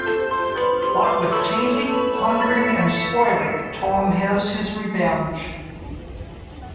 What with tainting, plundering, and spoiling, Tom has his revenge.